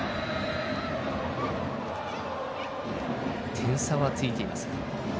点差はついています。